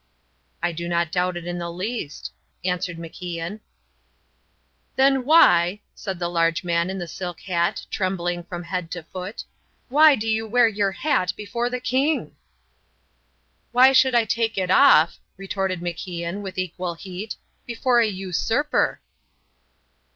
"I do not doubt it in the least," answered MacIan. "Then, why," said the large man in the silk hat, trembling from head to foot, "why do you wear your hat before the king?" "Why should I take it off," retorted MacIan, with equal heat, "before a usurper?"